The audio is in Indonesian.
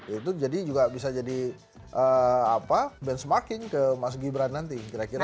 itu jadi juga bisa jadi benchmarking ke mas gibran nanti kira kira